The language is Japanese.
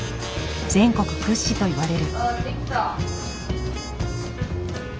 全国屈指といわれる。